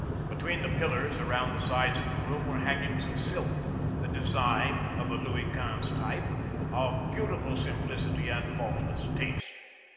Between the pillars around the sides of the room were hangings of silk, the design of a Louis Quinze type of beautiful simplicity and faultless taste.